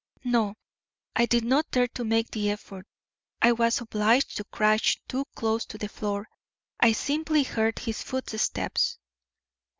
"No, I did not dare to make the effort. I was obliged to crouch too close to the floor. I simply heard his footsteps."